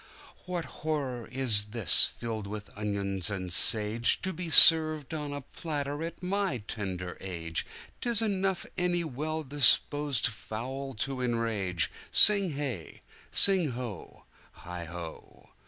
"What horror is this, filled with onions and sageTo be served on a platter at my tender age!'Tis enough any well disposed fowl to enrage!" Sing hey! sing ho! heigho!